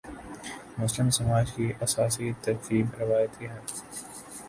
مسلم سماج کی اساسی ترکیب روایتی ہے۔